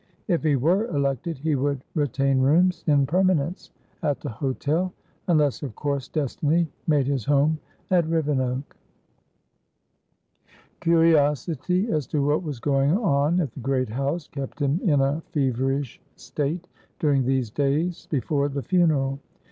If he were elected, he would retain rooms, in permanence, at the hotel. Unless, of course, destiny made his home at Rivenoak. Curiosity as to what was going on at the great house kept him in a feverish state during these days before the funeral.